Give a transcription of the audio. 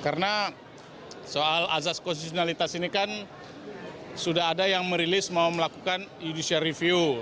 karena soal asas kondisionalitas ini kan sudah ada yang merilis mau melakukan judicial review